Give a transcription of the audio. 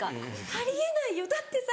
あり得ないよだってさ。